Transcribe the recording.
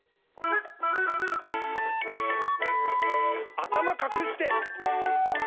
「あたまかくして！」